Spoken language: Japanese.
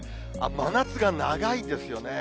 真夏が長いんですよね。